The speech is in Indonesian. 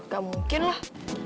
gak mungkin lah